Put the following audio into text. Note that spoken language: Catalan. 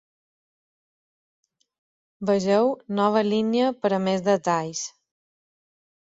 Vegeu nova línia per a més detalls.